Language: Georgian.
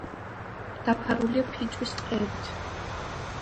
დაფარულია ფიჭვის ტყეებით.